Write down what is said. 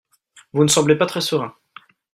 Vous ne semblez pas très serein